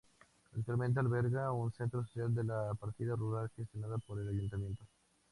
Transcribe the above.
Actualmente alberga un centro social de la partida rural gestionado por el ayuntamiento.